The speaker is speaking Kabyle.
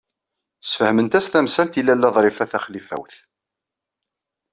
Sfehment-as tamsalt i Lalla Ḍrifa Taxlifawt.